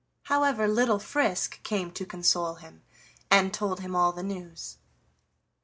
However, little Frisk came to console him, and told him all the news.